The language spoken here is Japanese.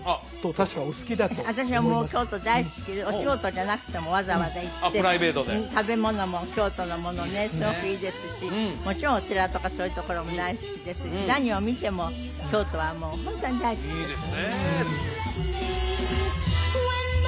確かお好きだと私はもう京都大好きでお仕事じゃなくてもわざわざ行って食べ物も京都のものねすごくいいですしもちろんお寺とかそういうところも大好きです何を見ても京都はもうホントに大好きです